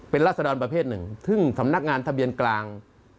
เป็นราศดรประเภทหนึ่งซึ่งสำนักงานทะเบียนกลาง